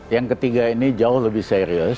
yang ketiga ini jauh lebih serius